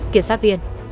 kiểm sát viên